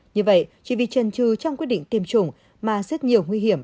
như vậy chỉ vì trần trư trong quyết định tiêm chủng mà rất nhiều nguy hiểm